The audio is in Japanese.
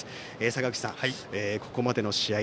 坂口さん、ここまでの試合